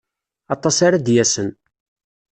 Aṭas ara d-yasen.